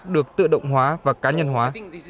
được tự động hóa và cá nhân hóa